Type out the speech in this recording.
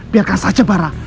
biarkan saja para